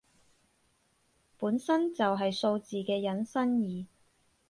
本身就係數字嘅引申義